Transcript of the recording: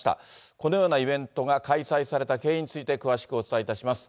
このようなイベントが開催された経緯について詳しくお伝えいたします。